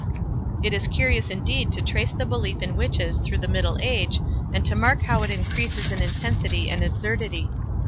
It is curious indeed to trace the belief in witches through the Middle Age, and to mark how it increases in intensity and absurdity.